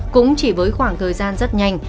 cũng chỉ với khoảng thời gian rất nhanh